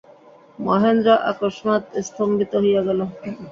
মহেন্দ্র অকস্মাৎ স্তম্ভিত হইয়া গেল।